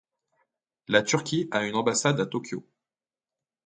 La Turquie a une ambassade à Tokyo.